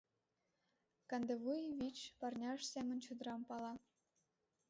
Кандывуй вич парняж семын чодырам пала.